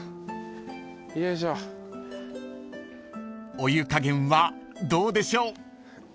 ［お湯加減はどうでしょう］